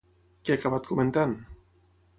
Què ha acabat comentant?